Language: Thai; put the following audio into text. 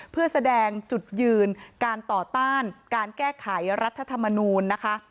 เพื่อแสดงจุดยืนการต่อต้านการแก้ไขรัฐธรรมนูลนะคะ